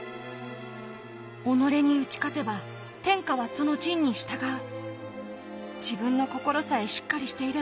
「己に打ち勝てば天下はその仁に従う」。